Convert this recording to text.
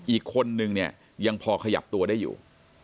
อีกคนนึงเนี่ยยังพอขยับตัวได้อยู่